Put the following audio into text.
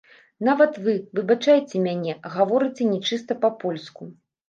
Нават вы, выбачайце мяне, гаворыце не чыста па-польску.